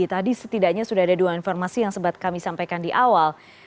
tadi setidaknya sudah ada dua informasi yang sempat kami sampaikan di awal